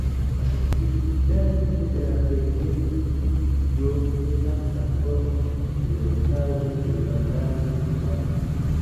Okcidente de la preĝejo estas platformo de restaĵo de rondaj kabanoj.